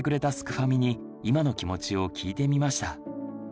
ファミに今の気持ちを聞いてみました。